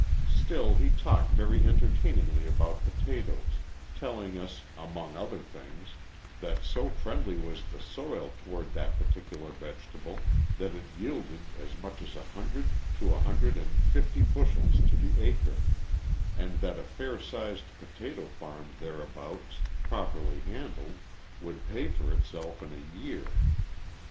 Still, he talked very entertainingly about potatoes; telling us, among other things, that, so friendly was the soil toward that particular vegetable that it yielded as much as a hundred to a hundred and fifty bushels to the acre, and that a fair sized potato farm thereabouts, properly handled, would pay for itself in a year.